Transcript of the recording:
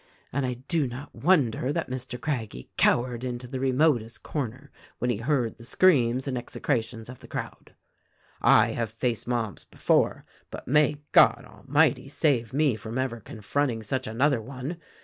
and I do not wonder that Mr. Craggie cowered into the remotest corner when he heard the screams and execrations of the crowd. I have faced mobs before, but may God Almighty save me from ever confronting such another one.